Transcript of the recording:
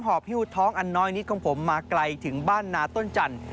หิ้วท้องอันน้อยนิดของผมมาไกลถึงบ้านนาต้นจันทร์